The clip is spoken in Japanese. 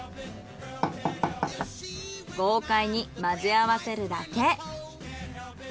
豪快に混ぜ合わせるだけ。